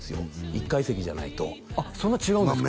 １階席じゃないとそんな違うんですか